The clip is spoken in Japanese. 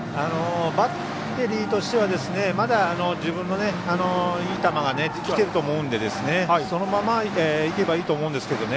バッテリーとしてはまだ、自分のいい球がきていると思うんでそのまま、いけばいいと思うんですけどね。